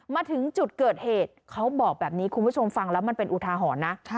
มาถึงจุดเกิดเหตุเขาบอกแบบนี้คุณผู้ชมฟังแล้วมันเป็นอุทาหรณ์นะ